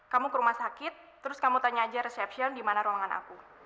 kamu ke rumah sakit terus kamu tanya aja resepsion di mana ruangan aku